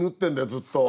ずっと。